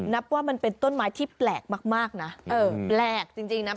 นับว่ามันเป็นต้นไม้ที่แปลกมากนะแปลกจริงนะ